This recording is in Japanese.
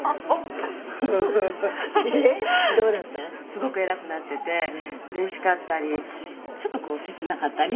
すごく偉くなっててうれしかったりちょっとこう切なかったりみたいな。